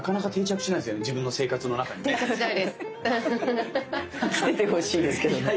着ててほしいですけどね。